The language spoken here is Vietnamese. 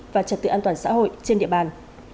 và trật tự an toàn xã hội trên địa bàn